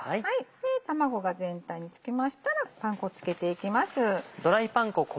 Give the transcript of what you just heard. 卵が全体に付きましたらパン粉付けていきます。